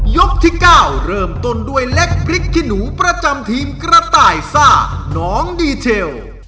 ยกที่๙เริ่มต้นด้วยเล็กพริกขี้หนูประจำทีมกระต่ายซ่าน้องดีเทล